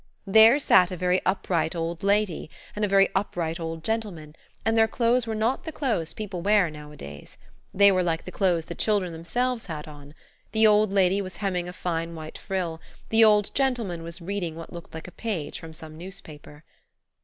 There sat a very upright old lady and a very upright old gentleman, and their clothes were not the clothes people wear nowadays. They were like the clothes the children themselves had on. The old lady was hemming a fine white frill; the old gentleman was reading what looked like a page from some newspaper.